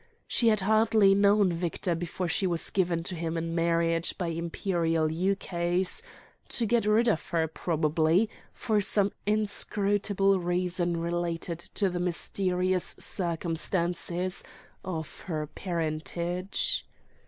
She had hardly known Victor before she was given to him in marriage by Imperial ukase ... to get rid of her, probably, for some inscrutable reason related to the mysterious circumstances of her parentage.